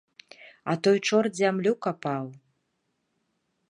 А той чорт зямлю капаў.